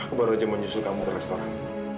aku baru saja mau nyusul kamu ke restoran